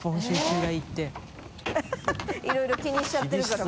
いろいろ気にしちゃってるからもう。